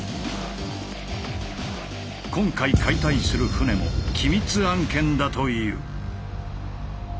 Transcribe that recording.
今回解体する船も「機密案件」だという。